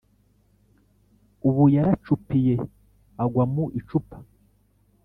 ubu yaracupiye agwa mu icupa